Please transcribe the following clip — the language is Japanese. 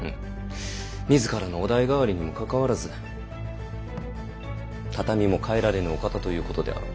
自らのお代替わりにもかかわらず畳も替えられぬお方ということであろう。